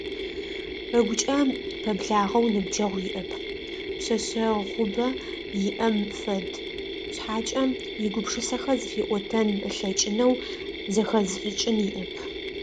Ыгукӏэ пэблагъэу ныбджэгъу иӏэп, пшъэшъэгъубэ иӏэм фэд, шъхьакӏэ игупшысэхэр зыфиӏотэн ылъэкӏынэу, зэхэзышӏыкӏын иӏэп.